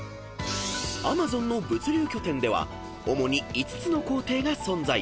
［Ａｍａｚｏｎの物流拠点では主に５つの工程が存在］